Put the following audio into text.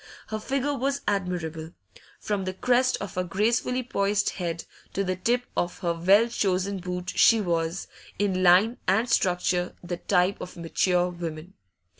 Her figure was admirable; from the crest of her gracefully poised head to the tip of her well chosen boot she was, in line and structure, the type of mature woman.